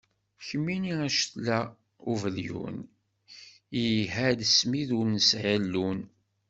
Kemmini a cetla n ubelyun, iha d smid ur nesɛi llun.